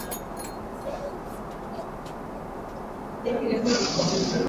kutembea kutoka tawi la mti na tawi mti